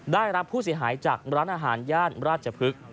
ได้รับผู้เสียหายจากร้านอาหารย่านราชพฤกษ์